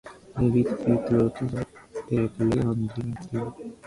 David Swift wrote the teleplay and directed.